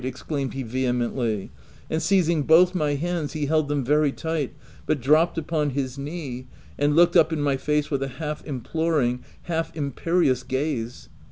exclaimed he ve hemently ; and seizing both my hands, he held them very tight, but dropped upon his knee, and looked up in my face with a half implor ing, half imperious gaze.